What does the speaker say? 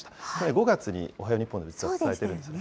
５月におはよう日本でも実は伝えているんです。